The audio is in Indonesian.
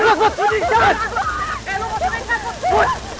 eh lu kok terlalu takut